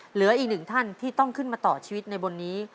เหลืออีกหนึ่งท่านที่ต้องขึ้นมาต่อชีวิตในบนนี้